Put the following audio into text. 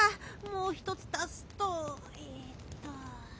もうひとつ足すとえっと。